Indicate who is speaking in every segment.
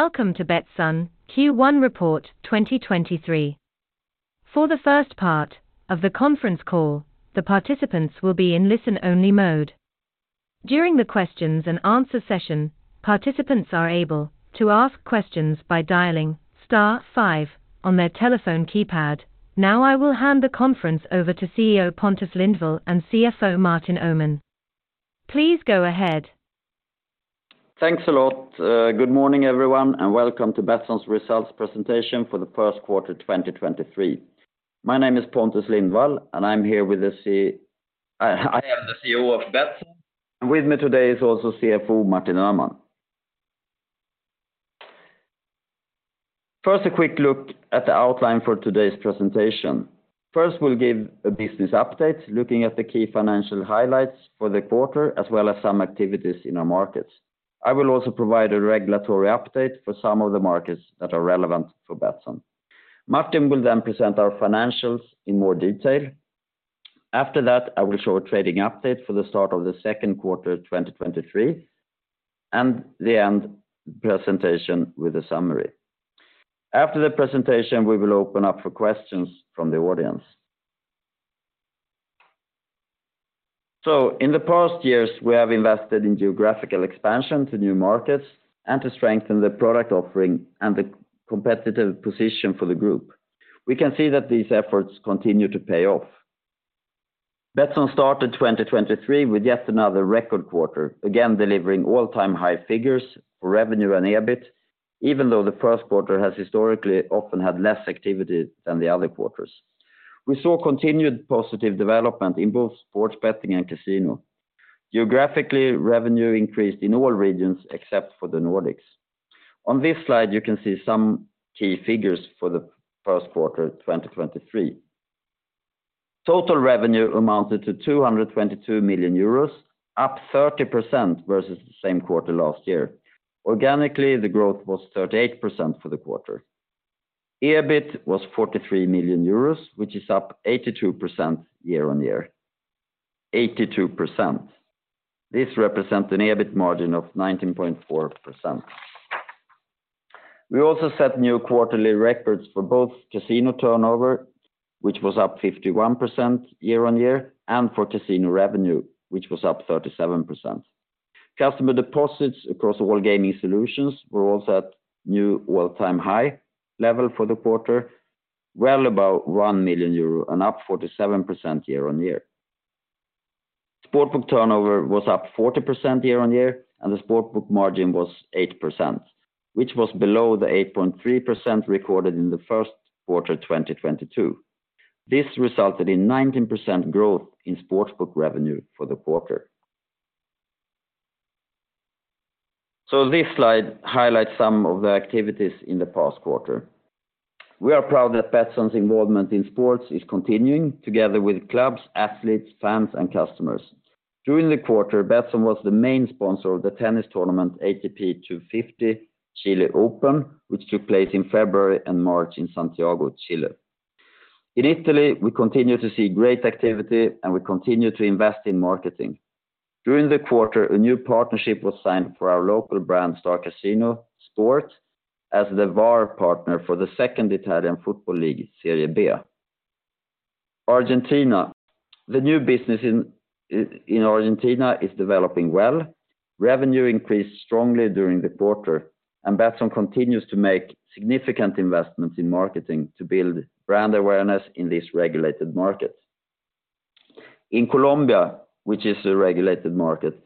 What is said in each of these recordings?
Speaker 1: Welcome to Betsson Q1 report 2023. For the first part of the conference call, the participants will be in listen-only mode. During the questions and answer session, participants are able to ask questions by dialing star five on their telephone keypad. I will hand the conference over to CEO Pontus Lindwall and CFO Martin Öhman. Please go ahead.
Speaker 2: Thanks a lot. Good morning, everyone, and welcome to Betsson's results presentation for the first quarter 2023. My name is Pontus Lindwall, and I'm here with I am the CEO of Betsson, and with me today is also CFO Martin Öhman. First, a quick look at the outline for today's presentation. First, we'll give a business update, looking at the key financial highlights for the quarter, as well as some activities in our markets. I will also provide a regulatory update for some of the markets that are relevant for Betsson. Martin will then present our financials in more detail. After that, I will show a trading update for the start of the second quarter 2023, and the end presentation with a summary. After the presentation, we will open up for questions from the audience. In the past years, we have invested in geographical expansion to new markets and to strengthen the product offering and the competitive position for the group. We can see that these efforts continue to pay off. Betsson started 2023 with yet another record quarter, again delivering all-time high figures for revenue and EBIT, even though the first quarter has historically often had less activity than the other quarters. We saw continued positive development in both sports betting and casino. Geographically, revenue increased in all regions except for the Nordics. On this slide, you can see some key figures for the first quarter, 2023. Total revenue amounted to 222 million euros, up 30% versus the same quarter last year. Organically, the growth was 38% for the quarter. EBIT was 43 million euros, which is up 82% year on year. 82%. This represents an EBIT margin of 19.4%. We also set new quarterly records for both casino turnover, which was up 51% year-on-year, and for casino revenue, which was up 37%. Customer deposits across all gaming solutions were also at new all-time high level for the quarter, well above 1 million euro and up 47% year-on-year. Sportsbook turnover was up 40% year-on-year, and the Sportsbook margin was 8%, which was below the 8.3% recorded in the first quarter, 2022. This resulted in 19% growth in Sportsbook revenue for the quarter. This slide highlights some of the activities in the past quarter. We are proud that Betsson's involvement in sports is continuing together with clubs, athletes, fans, and customers. During the quarter, Betsson was the main sponsor of the tennis tournament ATP 250 Chile Open, which took place in February and March in Santiago, Chile. In Italy, we continue to see great activity, and we continue to invest in marketing. During the quarter, a new partnership was signed for our local brand, StarCasinò Sport as the VAR partner for the second Italian Football League, Serie B. Argentina. The new business in Argentina is developing well. Revenue increased strongly during the quarter, and Betsson continues to make significant investments in marketing to build brand awareness in this regulated market. In Colombia, which is a regulated market,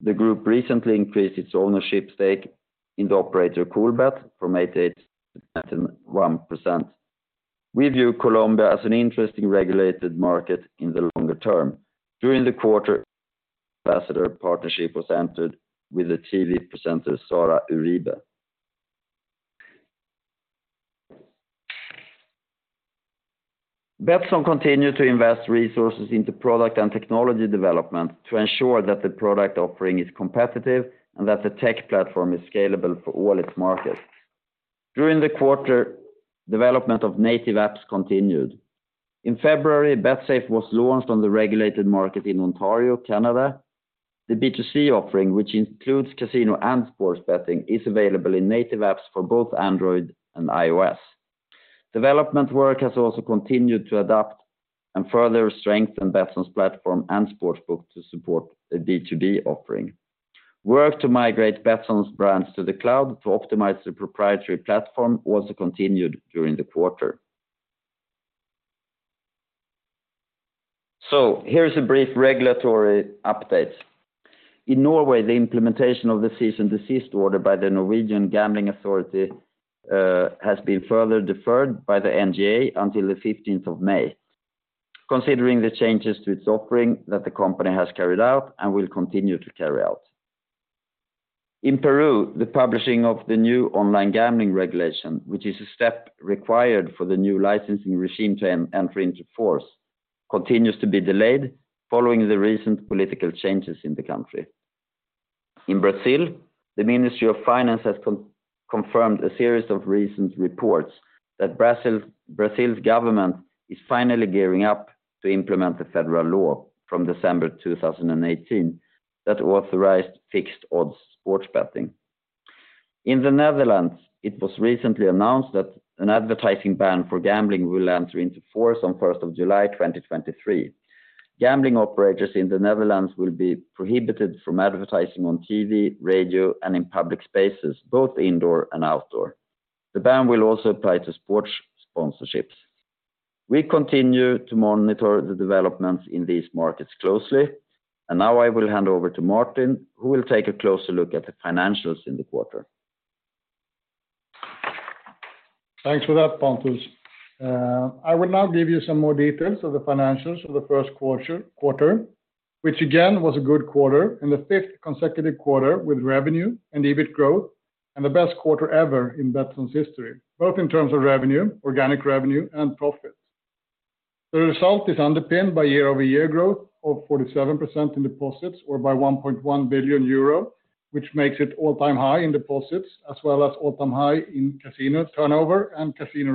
Speaker 2: the group recently increased its ownership stake in the operator Colbet from 88% to 91%. We view Colombia as an interesting regulated market in the longer term. During the quarter, ambassador partnership was entered with the TV presenter, Sara Uribe. Betsson continued to invest resources into product and technology development to ensure that the product offering is competitive and that the tech platform is scalable for all its markets. During the quarter, development of native apps continued. In February, Betsafe was launched on the regulated market in Ontario, Canada. The B2C offering, which includes casino and sports betting, is available in native apps for both Android and iOS. Development work has also continued to adapt and further strengthen Betsson's platform and Sportsbook to support a D2D offering. Work to migrate Betsson's brands to the cloud to optimize the proprietary platform also continued during the quarter. Here is a brief regulatory update. In Norway, the implementation of the cease and desist order by the Norwegian Gambling Authority has been further deferred by the NGA until the 15th of May, considering the changes to its offering that the company has carried out and will continue to carry out. In Peru, the publishing of the new online gambling regulation, which is a step required for the new licensing regime to enter into force, continues to be delayed following the recent political changes in the country. In Brazil, the Ministry of Finance has confirmed a series of recent reports that Brazil's government is finally gearing up to implement the federal law from December 2018 that authorized fixed odds sports betting. In the Netherlands, it was recently announced that an advertising ban for gambling will enter into force on July 1, 2023. Gambling operators in the Netherlands will be prohibited from advertising on TV, radio, and in public spaces, both indoor and outdoor. The ban will also apply to sports sponsorships. We continue to monitor the developments in these markets closely. Now I will hand over to Martin, who will take a closer look at the financials in the quarter.
Speaker 3: Thanks for that, Pontus. I will now give you some more details of the financials for the first quarter, which again, was a good quarter and the fifth consecutive quarter with revenue and EBIT growth, and the best quarter ever in Betsson's history, both in terms of revenue, organic revenue, and profit. The result is underpinned by year-over-year growth of 47% in deposits or by 1.1 billion euro, which makes it all-time high in deposits as well as all-time high in casino turnover and casino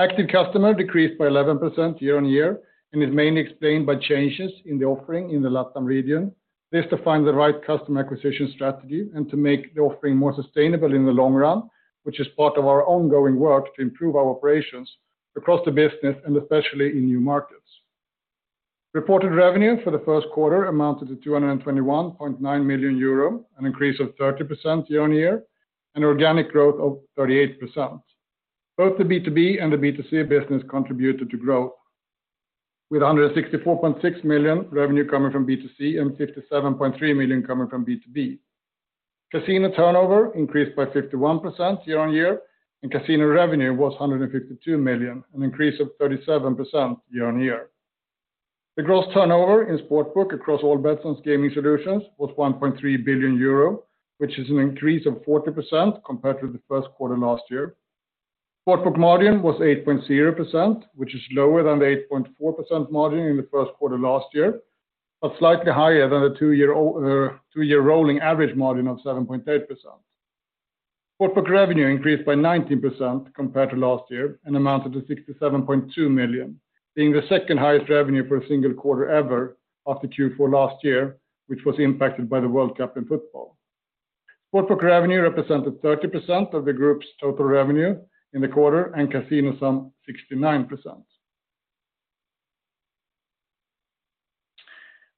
Speaker 3: revenue. Active customer decreased by 11% year-on-year and is mainly explained by changes in the offering in the LATAM region. This to find the right customer acquisition strategy and to make the offering more sustainable in the long run, which is part of our ongoing work to improve our operations across the business and especially in new markets. Reported revenue for the first quarter amounted to 221.9 million euro, an increase of 30% year-on-year, and organic growth of 38%. Both the B2B and the B2C business contributed to growth, with 164.6 million revenue coming from B2C and 57.3 million coming from B2B. Casino turnover increased by 51% year-on-year. Casino revenue was 152 million, an increase of 37% year-on-year. The gross turnover in Sportsbook across all Betsson's gaming solutions was 1.3 billion euro, which is an increase of 40% compared to the first quarter last year. Sportsbook margin was 8.0%, which is lower than the 8.4% margin in the first quarter last year, but slightly higher than the two-year rolling average margin of 7.8%. Sportsbook revenue increased by 19% compared to last year and amounted to 67.2 million, being the second highest revenue for a single quarter ever after Q4 last year, which was impacted by the World Cup in football. Sportsbook revenue represented 30% of the group's total revenue in the quarter, and casino some 69%.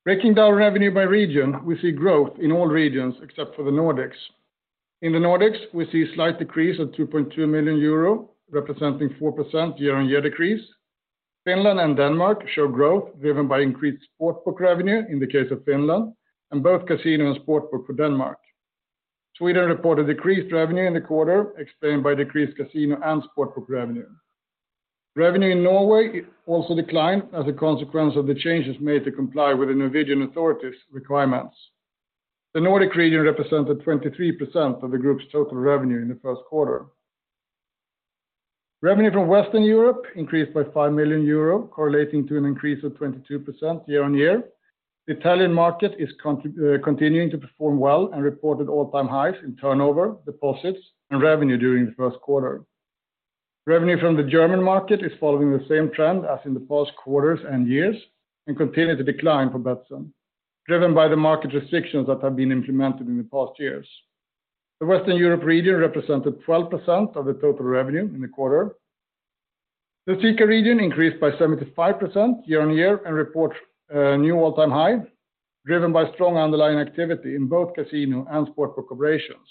Speaker 3: Breaking down revenue by region, we see growth in all regions except for the Nordics. In the Nordics, we see a slight decrease of 2.2 million euro, representing 4% year-on-year decrease. Finland and Denmark show growth driven by increased Sportsbook revenue in the case of Finland and both casino and Sportsbook for Denmark. Sweden reported decreased revenue in the quarter explained by decreased casino and Sportsbook revenue. Revenue in Norway also declined as a consequence of the changes made to comply with the Norwegian authorities' requirements. The Nordic region represented 23% of the group's total revenue in the first quarter. Revenue from Western Europe increased by 5 million euro, correlating to an increase of 22% year-on-year. The Italian market is continuing to perform well and reported all-time highs in turnover, deposits, and revenue during the first quarter. Revenue from the German market is following the same trend as in the past quarters and years and continue to decline for Betsson, driven by the market restrictions that have been implemented in the past years. The Western Europe region represented 12% of the total revenue in the quarter. The CEECA region increased by 75% year on year and report a new all-time high, driven by strong underlying activity in both casino and Sportsbook operations.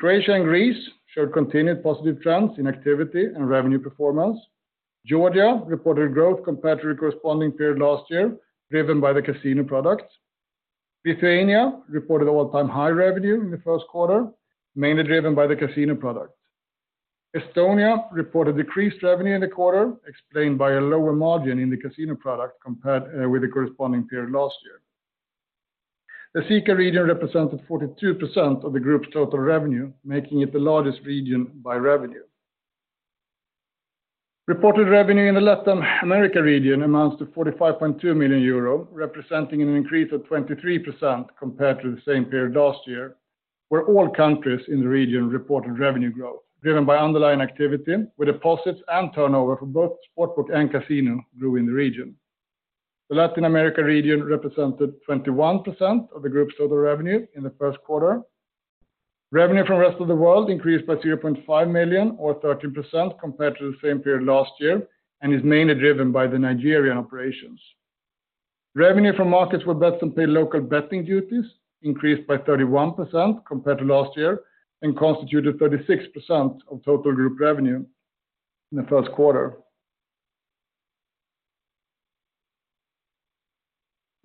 Speaker 3: Croatia and Greece showed continued positive trends in activity and revenue performance. Georgia reported growth compared to the corresponding period last year, driven by the casino products. Lithuania reported all-time high revenue in the first quarter, mainly driven by the casino products. Estonia reported decreased revenue in the quarter, explained by a lower margin in the casino product compared with the corresponding period last year. The CEECA region represented 42% of the group's total revenue, making it the largest region by revenue. Reported revenue in the Latin America region amounts to 45.2 million euro, representing an increase of 23% compared to the same period last year, where all countries in the region reported revenue growth, driven by underlying activity, with deposits and turnover for both Sportsbook and casino grew in the region. The Latin America region represented 21% of the group's total revenue in the first quarter. Revenue from rest of the world increased by 0.5 million or 13% compared to the same period last year and is mainly driven by the Nigerian operations. Revenue from markets where Betsson pay local betting duties increased by 31% compared to last year and constituted 36% of total group revenue in the first quarter.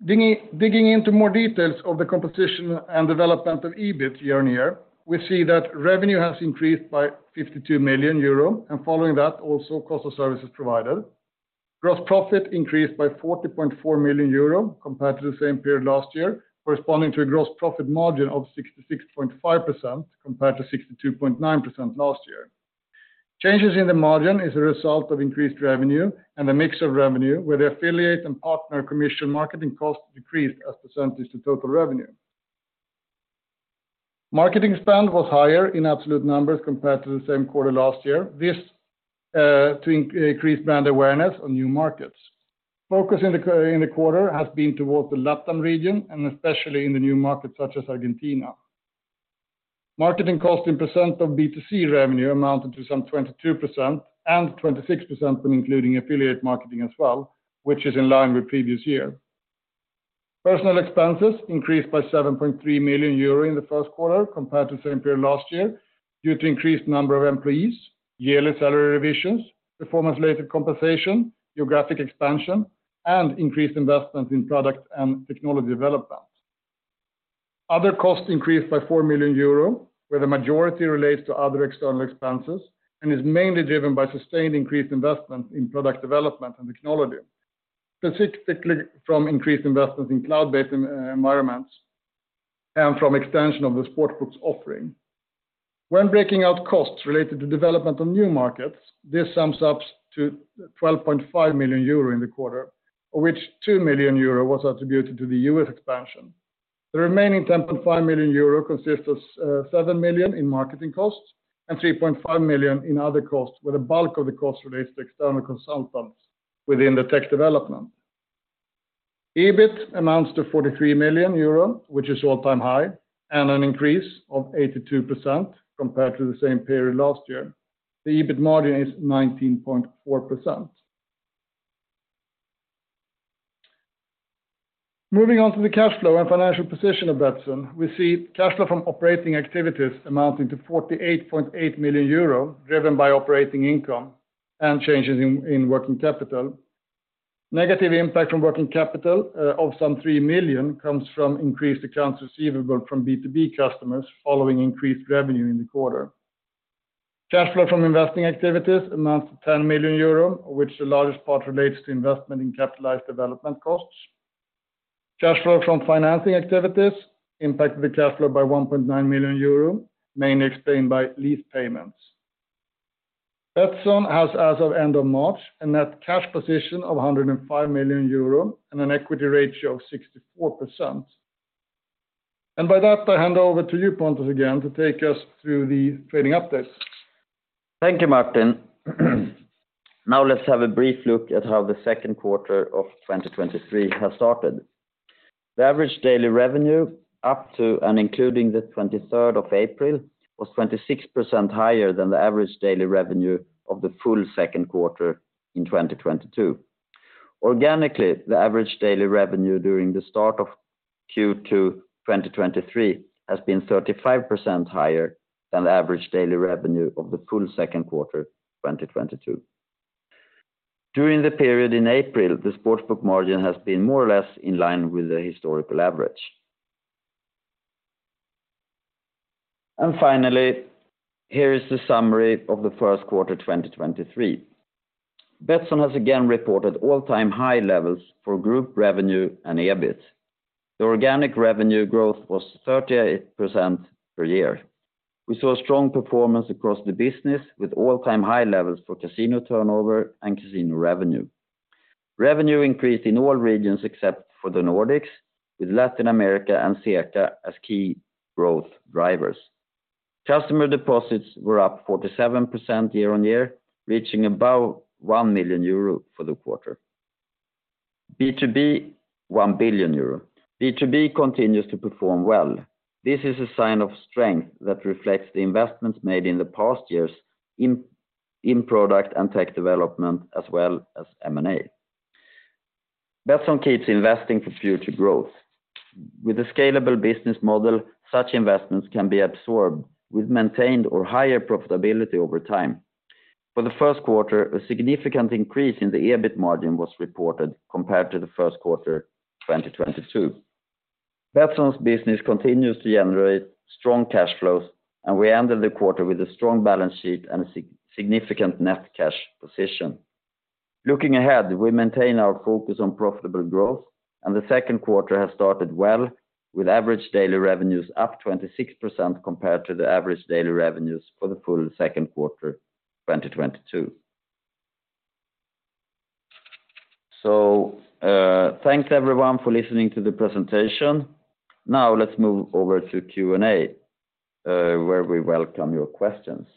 Speaker 3: Digging into more details of the composition and development of EBIT year-on-year, we see that revenue has increased by 52 million euro, and following that, also cost of services provided. Gross profit increased by 40.4 million euro compared to the same period last year, corresponding to a gross profit margin of 66.5% compared to 62.9% last year. Changes in the margin is a result of increased revenue and the mix of revenue, where the affiliate and partner commission marketing costs decreased as % to total revenue. Marketing spend was higher in absolute numbers compared to the same quarter last year. This to increase brand awareness on new markets. Focus in the quarter has been towards the LATAM region and especially in the new markets such as Argentina. Marketing cost in percent of B2C revenue amounted to some 22% and 26% when including affiliate marketing as well, which is in line with previous year. Personnel expenses increased by 7.3 million euro in the first quarter compared to the same period last year due to increased number of employees, yearly salary revisions, performance-related compensation, geographic expansion, and increased investments in product and technology development. Other costs increased by 4 million euro, where the majority relates to other external expenses, and is mainly driven by sustained increased investment in product development and technology, specifically from increased investments in cloud-based environments and from extension of the Sportsbook's offering. When breaking out costs related to development of new markets, this sums up to 12.5 million euro in the quarter, of which 2 million euro was attributed to the US expansion. The remaining 10.5 million euro consists of 7 million in marketing costs and 3.5 million in other costs, where the bulk of the cost relates to external consultants within the tech development. EBIT amounts to 43 million euro, which is all-time high, an increase of 82% compared to the same period last year. The EBIT margin is 19.4%. Moving on to the cash flow and financial position of Betsson, we see cash flow from operating activities amounting to 48.8 million euro, driven by operating income and changes in working capital. Negative impact from working capital of some 3 million comes from increased accounts receivable from B2B customers following increased revenue in the quarter. Cash flow from investing activities amounts to 10 million euro, of which the largest part relates to investment in capitalized development costs. Cash flow from financing activities impacted the cash flow by 1.9 million euro, mainly explained by lease payments. Betsson has, as of end of March, a net cash position of 105 million euro and an equity ratio of 64%. By that, I hand over to you, Pontus, again, to take us through the trading updates.
Speaker 2: Thank you, Martin. Let's have a brief look at how the second quarter of 2023 has started. The average daily revenue up to and including the 23rd of April was 26% higher than the average daily revenue of the full second quarter in 2022. Organically, the average daily revenue during the start of Q2 2023 has been 35% higher than the average daily revenue of the full second quarter 2022. During the period in April, the Sportsbook margin has been more or less in line with the historical average. Finally, here is the summary of the first quarter 2023. Betsson has again reported all-time high levels for group revenue and EBIT. The organic revenue growth was 38% per year. We saw strong performance across the business with all-time high levels for casino turnover and casino revenue. Revenue increased in all regions except for the Nordics, with Latin America and CEECA as key growth drivers. Customer deposits were up 47% year-on-year, reaching above 1 million euro for the quarter. B2B, 1 billion euro. B2B continues to perform well. This is a sign of strength that reflects the investments made in the past years in product and tech development, as well as M&A. Betsson keeps investing for future growth. With a scalable business model, such investments can be absorbed with maintained or higher profitability over time. For the first quarter, a significant increase in the EBIT margin was reported compared to the first quarter 2022. Betsson's business continues to generate strong cash flows, we ended the quarter with a strong balance sheet and significant net cash position. Looking ahead, we maintain our focus on profitable growth, and the second quarter has started well with average daily revenues up 26% compared to the average daily revenues for the full second quarter 2022. Thanks everyone for listening to the presentation. Now let's move over to Q&A, where we welcome your questions.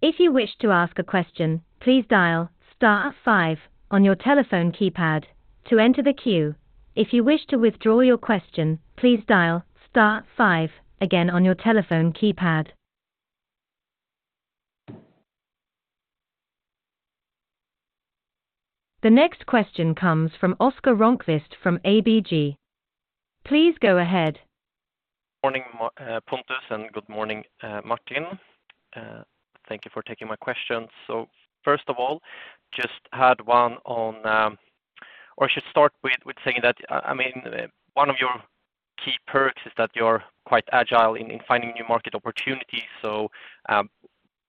Speaker 1: If you wish to ask a question, please dial star 5 on your telephone keypad to enter the queue. If you wish to withdraw your question, please dial star 5 again on your telephone keypad. The next question comes from Oscar Rönnkvist from ABG. Please go ahead.
Speaker 4: Morning, Pontus, and good morning, Martin. Thank you for taking my questions. First of all, just had one on. Or I should start with saying that, I mean, one of your key perks is that you're quite agile in finding new market opportunities.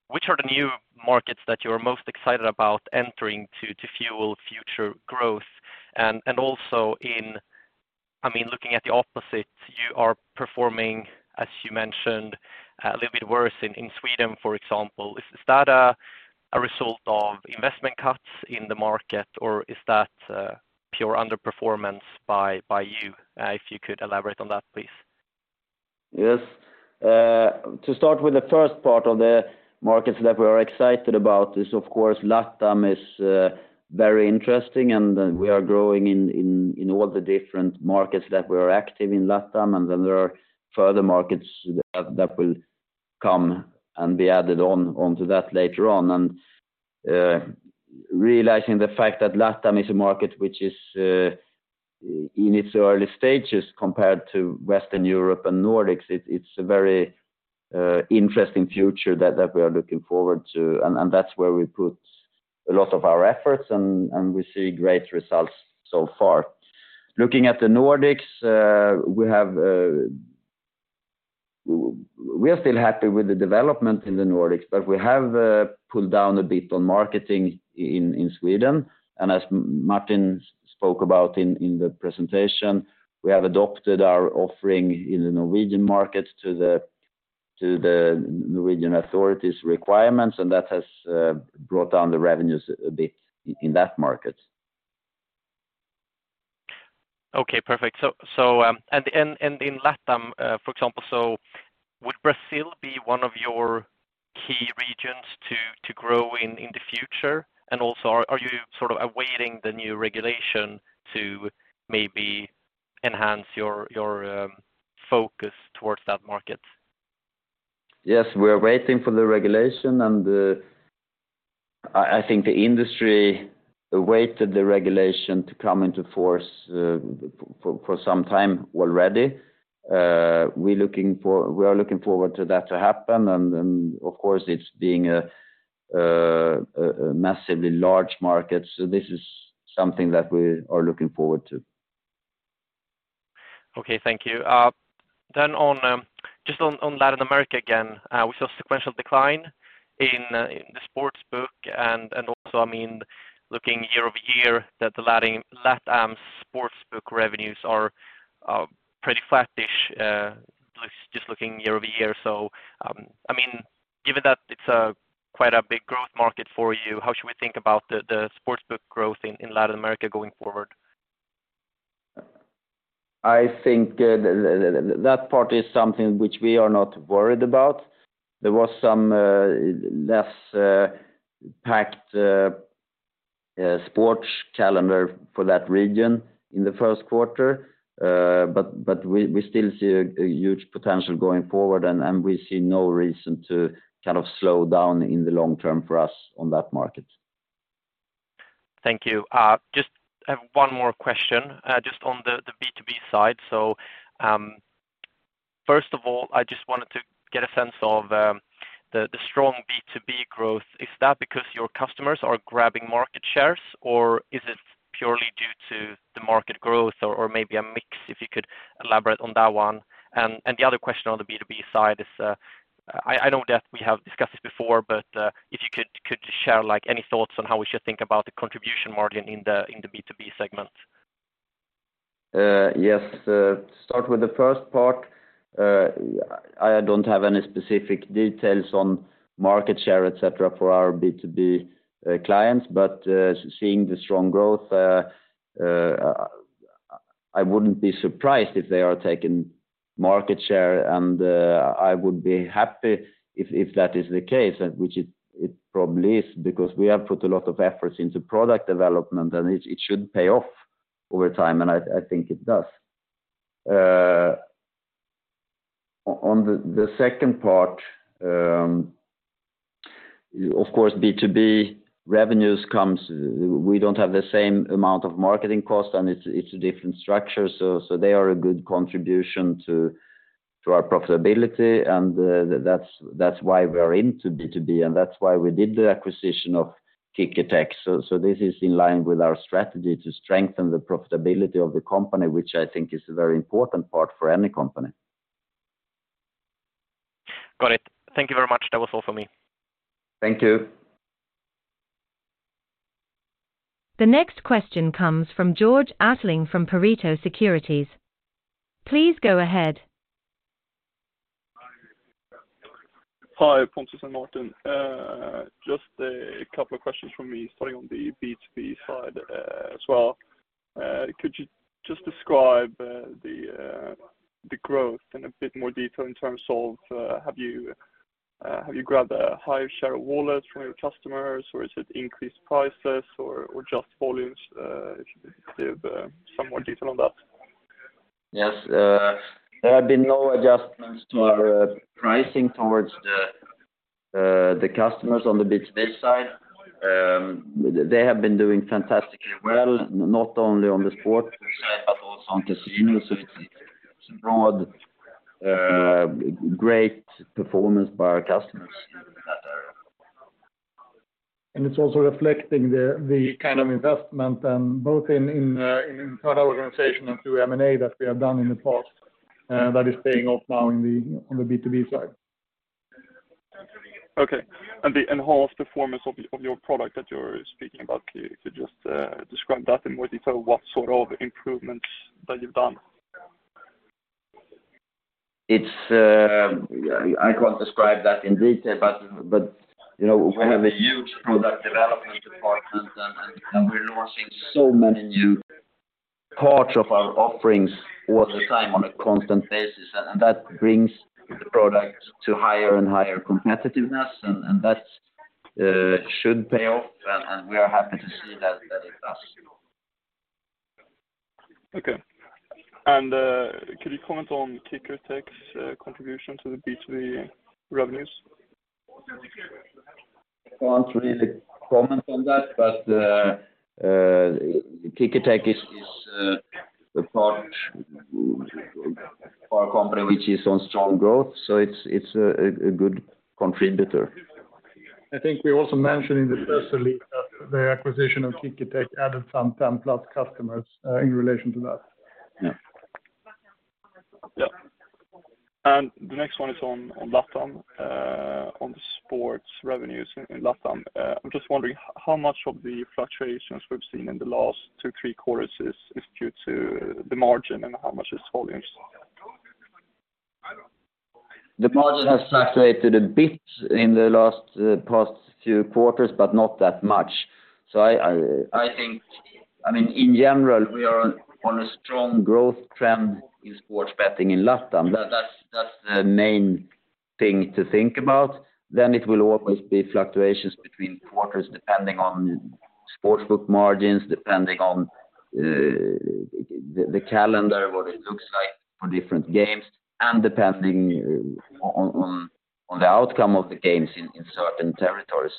Speaker 4: Which are the new markets that you're most excited about entering to fuel future growth? Also, I mean, looking at the opposite, you are performing, as you mentioned, a little bit worse in Sweden, for example. Is that a result of investment cuts in the market or is that pure underperformance by you? If you could elaborate on that, please.
Speaker 2: Yes. To start with the first part of the markets that we are excited about is of course LATAM is very interesting, and we are growing in all the different markets that we're active in LATAM. Then there are further markets that will come and be added on, onto that later on. Realizing the fact that LATAM is a market which is in its early stages compared to Western Europe and Nordics, it's a very interesting future that we are looking forward to. That's where we put a lot of our efforts and we see great results so far. Looking at the Nordics, We are still happy with the development in the Nordics, but we have pulled down a bit on marketing in Sweden. As Martin spoke about in the presentation, we have adopted our offering in the Norwegian market to the Norwegian authorities' requirements, and that has brought down the revenues a bit in that market.
Speaker 4: Okay, perfect. In LATAM, for example, would Brazil be one of your key regions to grow in the future? Also, are you sort of awaiting the new regulation to maybe enhance your focus towards that market?
Speaker 2: Yes, we are waiting for the regulation. I think the industry awaited the regulation to come into force for some time already. We are looking forward to that to happen. Of course it's being a massively large market, this is something that we are looking forward to.
Speaker 4: Okay, thank you. On just on Latin America again, we saw sequential decline in the sports book and also, I mean, looking year-over-year that LATAM's sports book revenues are pretty flat-ish, just looking year-over-year. I mean, given that it's a quite a big growth market for you, how should we think about the sports book growth in Latin America going forward?
Speaker 2: I think, that part is something which we are not worried about. There was some less packed sports calendar for that region in the first quarter. We still see a huge potential going forward, and we see no reason to kind of slow down in the long term for us on that market.
Speaker 4: Thank you. Just I have one more question, just on the B2B side. First of all, I just wanted to get a sense of the strong B2B growth. Is that because your customers are grabbing market shares, or is it purely due to the market growth or maybe a mix, if you could elaborate on that one? The other question on the B2B side is, I know that we have discussed this before, but, if you could share like any thoughts on how we should think about the contribution margin in the B2B segment?
Speaker 2: Yes. Start with the first part. I don't have any specific details on market share, et cetera, for our B2B clients, but seeing the strong growth, I wouldn't be surprised if they are taking market share and I would be happy if that is the case, and which it probably is, because we have put a lot of efforts into product development, and it should pay off over time, and I think it does. On the second part, of course, B2B revenues comes. We don't have the same amount of marketing costs, and it's a different structure. They are a good contribution to our profitability. That's why we are into B2B, and that's why we did the acquisition of Kickertech. This is in line with our strategy to strengthen the profitability of the company, which I think is a very important part for any company.
Speaker 4: Got it. Thank you very much. That was all for me.
Speaker 2: Thank you.
Speaker 1: The next question comes from Georg Attling from Pareto Securities. Please go ahead.
Speaker 5: Hi, Pontus and Martin. Just a couple of questions from me, starting on the B2B side, as well. Could you just describe the growth in a bit more detail in terms of, have you grabbed a higher share of wallet from your customers, or is it increased prices or just volumes? If you could give some more detail on that.
Speaker 2: Yes. There have been no adjustments to our pricing towards the customers on the B2B side. They have been doing fantastically well, not only on the sports side, but also on casino. It's a broad, great performance by our customers in that area.
Speaker 5: It's also reflecting the kind of investment, both in internal organization and through M&A that we have done in the past, that is paying off now in the, on the B2B side. Okay. The enhanced performance of your product that you're speaking about, could you just describe that in more detail, what sort of improvements that you've done?
Speaker 2: It's, I can't describe that in detail, but, you know, we have a huge product development department and we're launching so many new parts of our offerings all the time on a constant basis. That brings the product to higher and higher competitiveness and that's should pay off and we are happy to see that it does.
Speaker 5: Okay. Could you comment on Kickertech's contribution to the B2B revenues?
Speaker 2: Can't really comment on that. Kickertech is a part of our company which is on strong growth, so it's a good contributor.
Speaker 3: I think we also mentioned in the first release that the acquisition of Kickertech added some 10 plus customers in relation to that.
Speaker 5: Yeah. Yeah. The next one is on LATAM, on the sports revenues in LATAM. I'm just wondering how much of the fluctuations we've seen in the last two, 3 quarters is due to the margin and how much is volumes?
Speaker 2: The margin has fluctuated a bit in the last past few quarters, but not that much. I mean, in general, we are on a strong growth trend in sports betting in LATAM. That's the main thing to think about. It will always be fluctuations between quarters, depending on Sportsbook margins, depending on the calendar, what it looks like for different games, and depending on the outcome of the games in certain territories.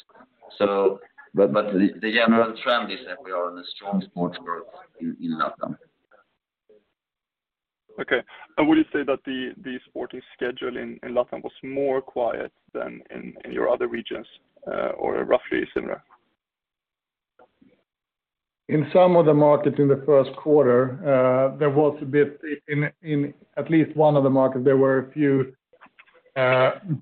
Speaker 2: The general trend is that we are in a strong sports growth in LATAM.
Speaker 5: Okay. Would you say that the sporting schedule in LATAM was more quiet than in your other regions, or roughly similar?
Speaker 3: In some of the markets in the first quarter, there was a bit in at least one of the markets, there were a few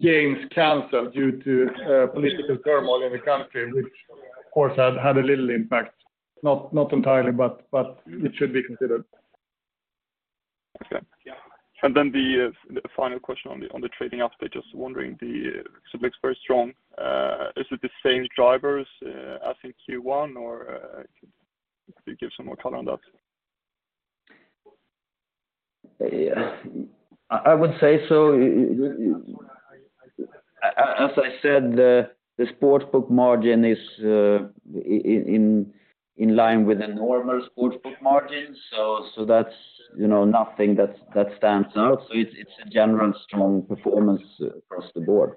Speaker 3: games canceled due to political turmoil in the country, which of course had a little impact. Not entirely, but it should be considered.
Speaker 5: Okay. The final question on the, on the trading update, just wondering it looks very strong. Is it the same drivers as in Q1 or could you give some more color on that?
Speaker 2: I would say so. As I said, the Sportsbook margin is in line with a normal Sportsbook margin. That's, you know, nothing that stands out. It's a general strong performance across the board.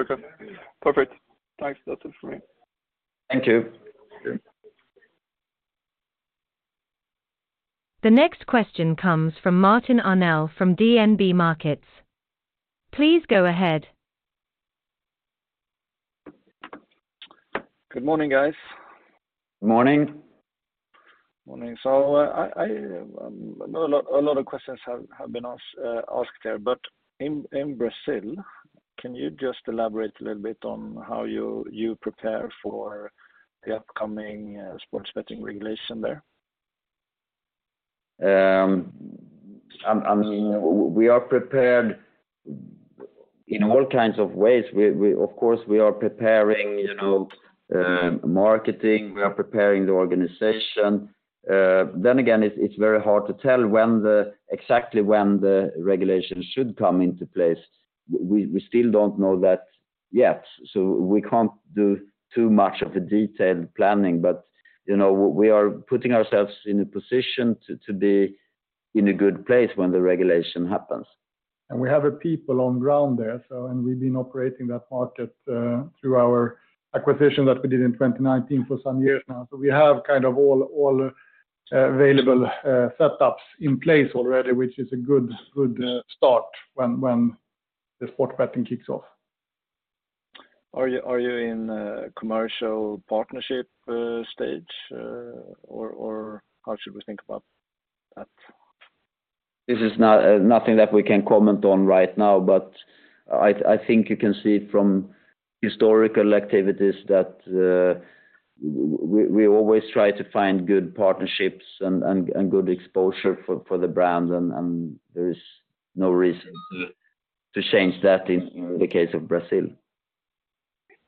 Speaker 5: Okay. Perfect. Thanks. That's it for me.
Speaker 2: Thank you.
Speaker 5: Okay.
Speaker 1: The next question comes from Martin Arnell from DNB Markets. Please go ahead.
Speaker 6: Good morning, guys.
Speaker 2: Morning.
Speaker 6: Morning. A lot of questions have been asked there. In Brazil, can you just elaborate a little bit on how you prepare for the upcoming sports betting regulation there?
Speaker 2: I mean, we are prepared in all kinds of ways. We of course, we are preparing, you know, marketing, we are preparing the organization. It's very hard to tell exactly when the regulation should come into place. We still don't know that yet, so we can't do too much of the detailed planning. You know, we are putting ourselves in a position to be in a good place when the regulation happens.
Speaker 3: We have people on ground there. We've been operating that market through our acquisition that we did in 2019 for some years now. We have kind of all available setups in place already, which is a good start when the sports betting kicks off.
Speaker 6: Are you in a commercial partnership stage, or how should we think about that?
Speaker 2: This is nothing that we can comment on right now. I think you can see from historical activities that we always try to find good partnerships and good exposure for the brand, and there is no reason to change that in the case of Brazil.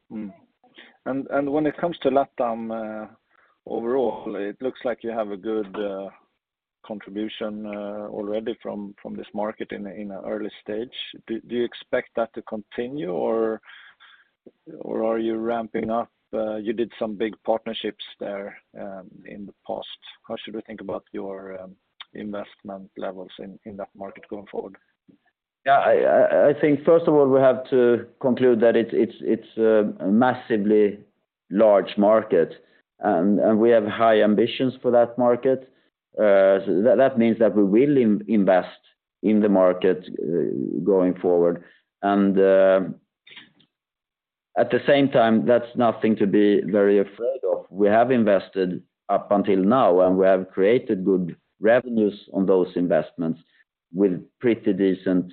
Speaker 6: When it comes to LATAM, overall, it looks like you have a good contribution already from this market in an early stage. Do you expect that to continue or are you ramping up? You did some big partnerships there in the past. How should we think about your investment levels in that market going forward?
Speaker 2: Yeah, I think first of all, we have to conclude that it's a massively large market, and we have high ambitions for that market. That means that we will invest in the market going forward. At the same time, that's nothing to be very afraid of. We have invested up until now, and we have created good revenues on those investments with pretty decent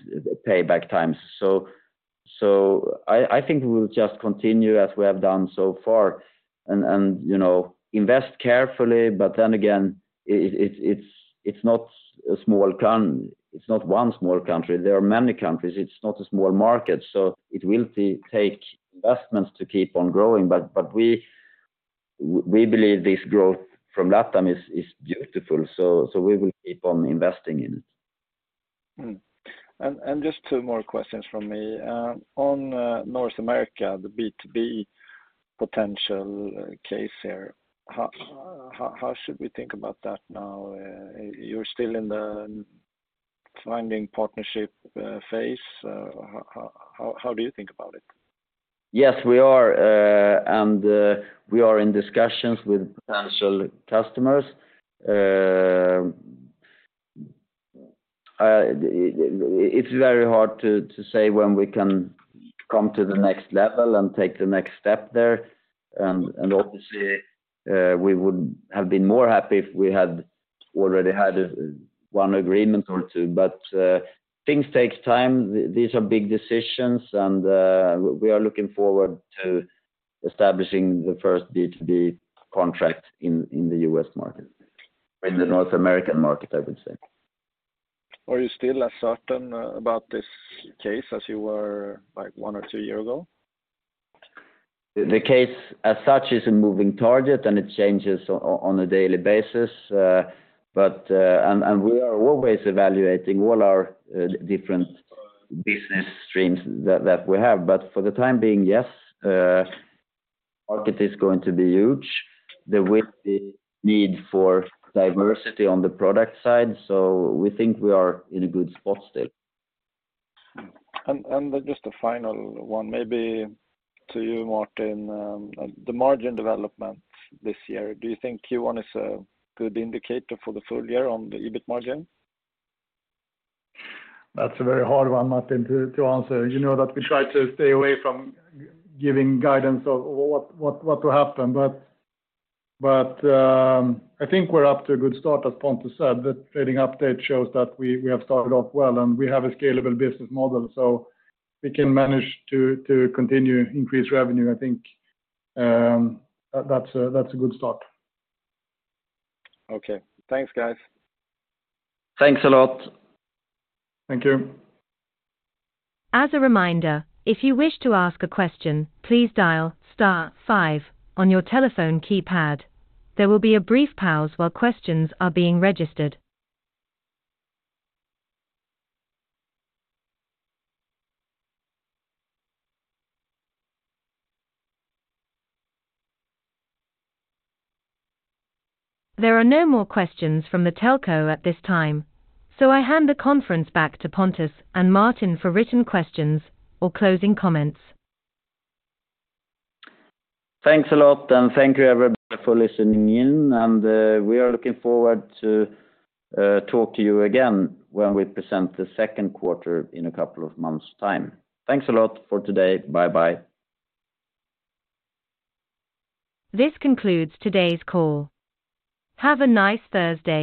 Speaker 2: payback times. I think we'll just continue as we have done so far and, you know, invest carefully. Then again, it's not a small country. It's not one small country. There are many countries. It's not a small market, so it will take investments to keep on growing. We believe this growth from LATAM is beautiful, so we will keep on investing in it.
Speaker 6: Just two more questions from me. On North America, the B2B potential case here, how should we think about that now? You're still in the finding partnership phase. How do you think about it?
Speaker 2: Yes, we are, and we are in discussions with potential customers. It's very hard to say when we can come to the next level and take the next step there. Obviously, we would have been more happy if we had already had one agreement or two, but things take time. These are big decisions, we are looking forward to establishing the first B2B contract in the U.S. market, in the North American market, I would say.
Speaker 6: Are you still as certain about this case as you were, like, one or two year ago?
Speaker 2: The case as such is a moving target. It changes on a daily basis. We are always evaluating all our different business streams that we have. For the time being, yes, market is going to be huge. There will be need for diversity on the product side. We think we are in a good spot still.
Speaker 6: Just a final one, maybe to you, Martin. The margin development this year, do you think Q1 is a good indicator for the full year on the EBIT margin?
Speaker 3: That's a very hard one, Martin, to answer. You know that we try to stay away from giving guidance of what will happen. I think we're up to a good start, as Pontus said. The trading update shows that we have started off well, and we have a scalable business model, so we can manage to continue increase revenue. I think that's a good start.
Speaker 6: Okay. Thanks, guys.
Speaker 2: Thanks a lot.
Speaker 3: Thank you.
Speaker 1: As a reminder, if you wish to ask a question, please dial star 5 on your telephone keypad. There will be a brief pause while questions are being registered. There are no more questions from the telco at this time. I hand the conference back to Pontus and Martin for written questions or closing comments.
Speaker 2: Thanks a lot, and thank you everybody for listening in. We are looking forward to talk to you again when we present the second quarter in a couple of months' time. Thanks a lot for today. Bye-bye.
Speaker 1: This concludes today's call. Have a nice Thursday.